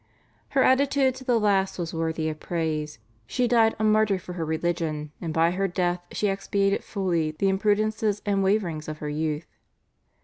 Her attitude to the last was worthy of praise. She died a martyr for her religion, and by her death she expiated fully the imprudences and waverings of her youth.